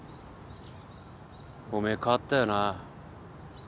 おめえ変わったよな。